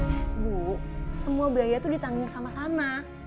eh bu semua biaya tuh ditanggung sama sana